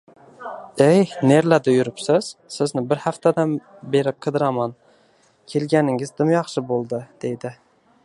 – Ey, nerlarda yuribsiz, sizni bir haftadan beri qidiraman. Kelganingiz dim yaxshi bo’ldi, – deydi.